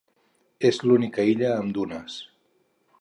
És l'única illa amb dunes.